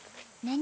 何？